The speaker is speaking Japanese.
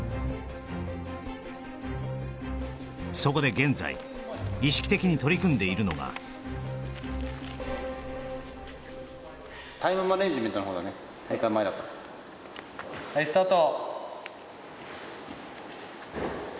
そこで現在意識的に取り組んでいるのがはいスタート